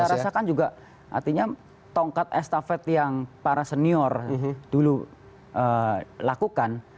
kalau saya rasakan juga artinya tongkat estafet yang para senior dulu lakukan